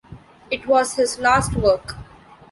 It was his last work.